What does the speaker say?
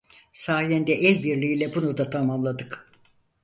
Sayende elbirliği ile bunu da tamamladık.